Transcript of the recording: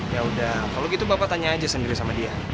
yaudah kalo gitu bapak tanya aja sendiri sama dia